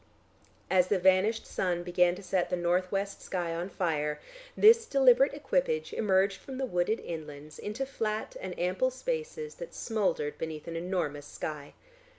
As the vanished sun began to set the north west sky on fire, this deliberate equipage emerged from the wooded inlands into flat and ample spaces that smouldered beneath an enormous sky.